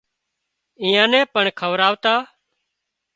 ايئان نين پڻ کوَراوتا